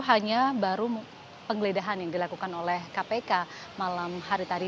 hanya baru penggeledahan yang dilakukan oleh kpk malam hari tadi